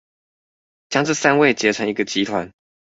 將這三位結成一個集團